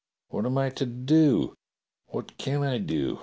What am I to do.^ What can I do?